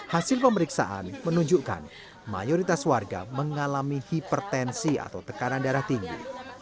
hasil pemeriksaan menunjukkan mayoritas warga mengalami hipertensi atau tekanan darah tinggi